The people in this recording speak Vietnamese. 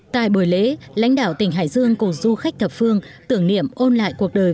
tại buổi lễ lãnh đạo tỉnh hải dương cùng du khách thập phương tưởng niệm ôn lại cuộc đời